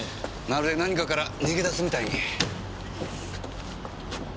まるで何かから逃げ出すみたいに。